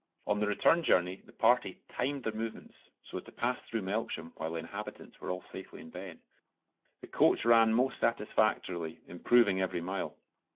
On the return journey the party timed their movements so as to pass through Melksham while the inhabitants were all safely in bed. The coach ran most satisfactorily, improving every mile.